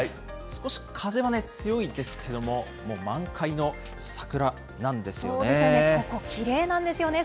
少し風は強いですけれども、もうそうですよね。